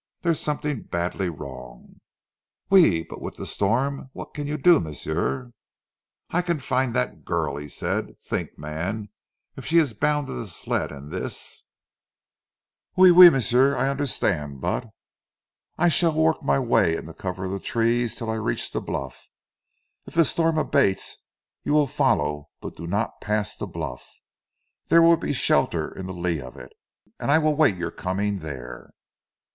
There's something badly wrong." "Oui! But with zee storm, what can you do, m'sieu?" "I can find that girl," he said. "Think, man, if she is bound to the sled in this " "Oui! Oui! m'sieu, I understand, but " "I shall work my way in the cover of the trees till I reach the bluff. If the storm abates you will follow but do not pass the bluff. There will be shelter in the lee of it, and I will wait your coming there."